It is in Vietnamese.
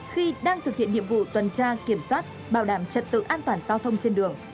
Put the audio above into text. khi đang thực hiện nhiệm vụ tuần tra kiểm soát bảo đảm trật tự an toàn giao thông trên đường